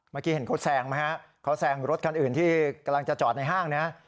เมื่อกี้เห็นเขาแซงไหมฮะเขาแซงรถคันอื่นที่กำลังจะจอดในห้างนะ